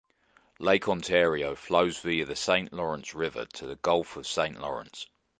Lake Ontario flows via the Saint Lawrence River to the Gulf of Saint Lawrence.